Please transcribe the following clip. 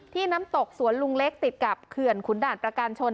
น้ำตกสวนลุงเล็กติดกับเขื่อนขุนด่านประการชน